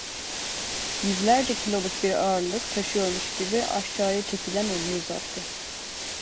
Yüzlerce kiloluk bir ağırlık taşıyormuş gibi aşağıya çekilen elini uzattı.